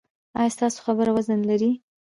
ایا ستاسو خبره وزن لري؟